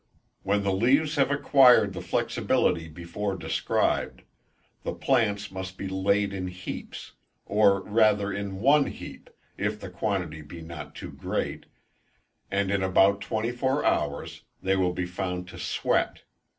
When the leaves have acquired the flexibility before described, the plants must be laid in heaps, or rather in one heap, if the quantity be not too great, and in about twenty four hours they will be found to sweat.